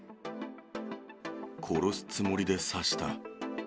殺すつもりで刺した。